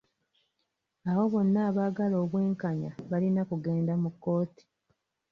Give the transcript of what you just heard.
Abo bonna abagala obw'enkanya balina kugenda mu kkooti.